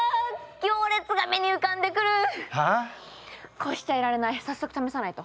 こうしちゃいられない早速試さないと。